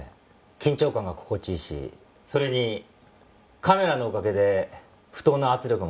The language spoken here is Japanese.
緊張感が心地いいしそれにカメラのおかげで不当な圧力もかかりませんから。